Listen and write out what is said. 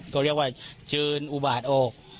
ก็เรียกว่าเชิญอุบาทออก